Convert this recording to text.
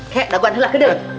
he udah gue anjlak udah